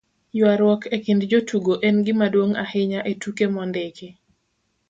ywaruok e kind jotugo en gimaduong' ahinya e tuke mondiki